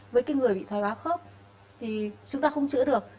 với cái người bị thoái hóa khớp thì chúng ta không chữa được